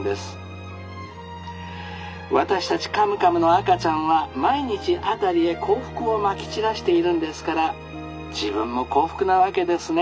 私たちカムカムの赤ちゃんは毎日辺りへ幸福をまき散らしているんですから自分も幸福なわけですね。